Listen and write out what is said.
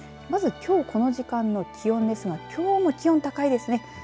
まずきょう、この時間の気温ですがきょうも気温高いですね。